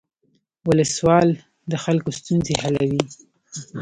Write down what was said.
ولسوال د خلکو ستونزې حلوي